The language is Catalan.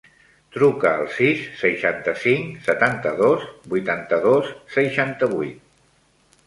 Truca al sis, seixanta-cinc, setanta-dos, vuitanta-dos, seixanta-vuit.